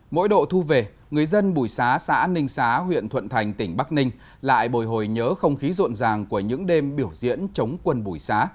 mỗi độ thu về người dân bùi xá xã ninh xá huyện thuận thành tỉnh bắc ninh lại bồi hồi nhớ không khí rộn ràng của những đêm biểu diễn chống quân bùi xá